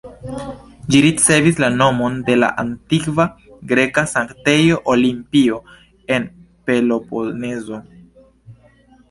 Ĝi ricevis la nomon de la antikva greka sanktejo Olimpio, en Peloponezo.